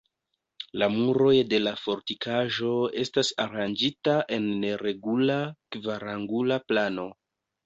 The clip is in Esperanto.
La muroj de la fortikaĵo estas aranĝitaj en neregula kvarangula plano.